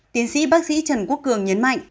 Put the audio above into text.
tiến sĩ bác sĩ trần quốc cường nhấn mạnh